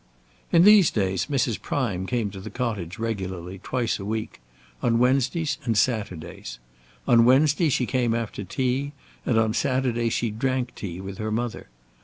In these days Mrs. Prime came to the cottage regularly twice a week, on Wednesdays and Saturdays. On Wednesday she came after tea, and on Saturday she drank tea with her mother.